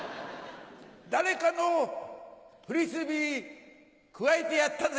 誰かのフリスビーくわえてやったぜ。